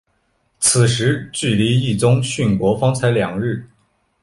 此时距离毅宗殉国方才两日。